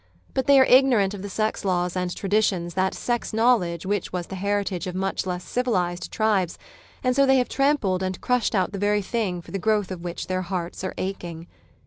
But they arc ignorant of the sex laws and traditions, that sex knowledge which was the heritage of much less civilised triHes, and so they have trampled and crushed out the very thing for the growth of which their hearts are aching.